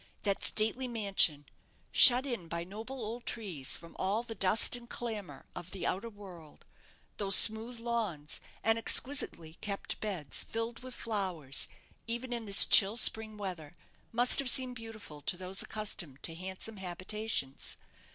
That stately mansion, shut in by noble old trees from all the dust and clamour of the outer world; those smooth lawns, and exquisitely kept beds, filled with flowers even in this chill spring weather, must have seemed beautiful to those accustomed to handsome habitations.